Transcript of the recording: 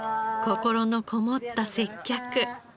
心のこもった接客。